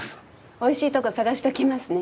おいしいとこ探しておきますね。